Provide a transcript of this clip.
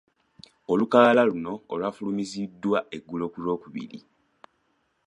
Olukalala luno olwafulumiziddwa eggulo ku Lwokubiri.